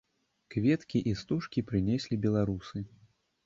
Кветкі і стужкі прынеслі беларусы.